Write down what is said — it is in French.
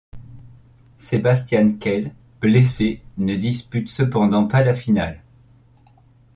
Sebastian Kehl, blessé ne dispute cependant pas la finale.